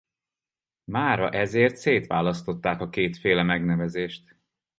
Mára ezért szétválasztották a kétféle megnevezést.